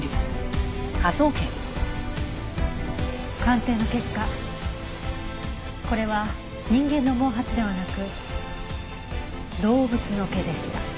鑑定の結果これは人間の毛髪ではなく動物の毛でした。